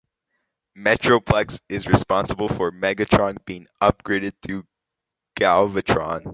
Metroplex is responsible for Megatron being upgraded to Galvatron.